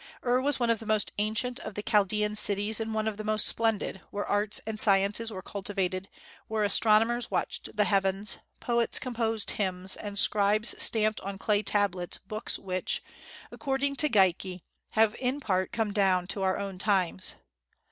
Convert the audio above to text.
Ur was one of the most ancient of the Chaldean cities and one of the most splendid, where arts and sciences were cultivated, where astronomers watched the heavens, poets composed hymns, and scribes stamped on clay tablets books which, according to Geikie, have in part come down to our own times.